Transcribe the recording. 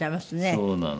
そうなの。